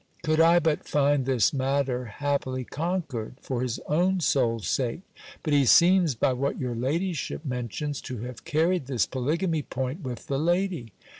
Could I but find this matter happily conquered, for his own soul's sake! But he seems, by what your ladyship mentions, to have carried this polygamy point with the lady.